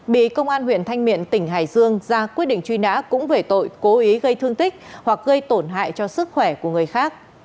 bị công an huyện thanh miện tỉnh hải dương ra quyết định truy nã cũng về tội cố ý gây thương tích hoặc gây tổn hại cho sức khỏe của người khác